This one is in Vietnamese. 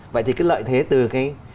vậy thì cái lợi thế từ cái